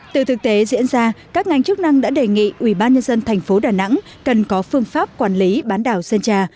từ thực tế diễn ra các ngành chức năng đã đề nghị ubnd tp đà nẵng cần có phương pháp quản lý bán đảo sơn trà